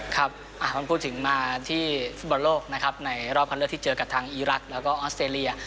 ครับมันพูดถึงมาที่ฟุตบอลโลกนะครับในรอบคันเลือกที่เจอกับทางอีรักษ์แล้วก็ออสเตรเลีย